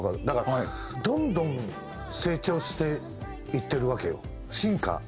だからどんどん成長していってるわけよ進化。